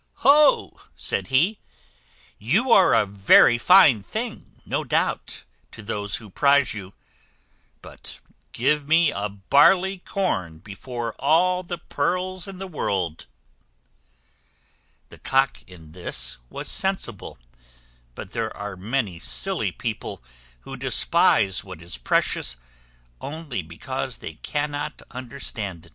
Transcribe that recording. "Ho!" said he, "you are a very fine thing, no doubt, to those who prize you; but give me a barley corn before all the pearls in the world." The Cock, in this, was sensible; but there are many silly people who despise what is precious only because they cannot understand it.